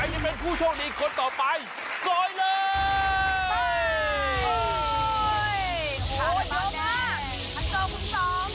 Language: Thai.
ใครจะเป็นผู้โชคดีมาจากจังหวัดไหน